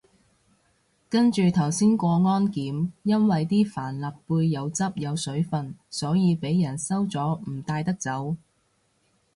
跟住頭先過安檢，因為啲帆立貝有汁有水份，所以被人收咗唔帶得走